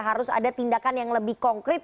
harus ada tindakan yang lebih konkret